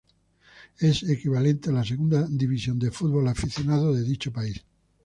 Es equivalente a la segunda división del fútbol aficionado de dicho país.